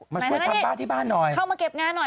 มาช่วยทำบ้านที่บ้านหน่อยเข้ามาเก็บงานหน่อย